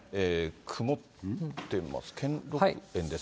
曇ってます。